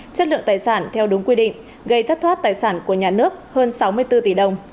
chất lượng tài sản theo đúng quy định gây thất thoát tài sản của nhà nước hơn sáu mươi bốn tỷ đồng